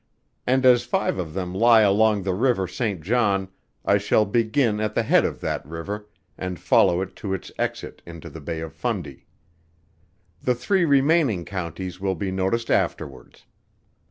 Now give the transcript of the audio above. And as five of them lie along the river St. John, I shall begin at the head of that river, and follow it to its exit into the Bay of Fundy. The three remaining counties will be noticed afterwards.